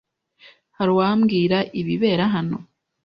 Hari uwambwira ibibera hano?